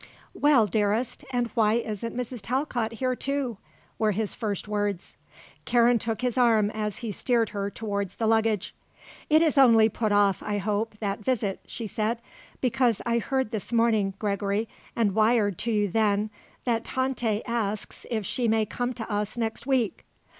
"Well, dearest, and why isn't Mrs. Talcott here, too?" were his first words. Karen took his arm as he steered her towards the luggage. "It is only put off, I hope, that visit," she said, "because I heard this morning, Gregory, and wired to you then, that Tante asks if she may come to us next week."